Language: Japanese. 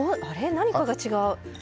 何かが違う。